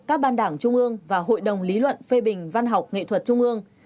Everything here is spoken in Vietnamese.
các ban đảng trung ương và hội đồng lý luận phê bình văn học nghệ thuật trung ương